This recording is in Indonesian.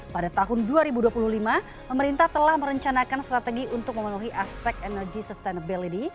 pada tahun dua ribu dua puluh lima pemerintah telah merencanakan strategi untuk memenuhi aspek energy sustainability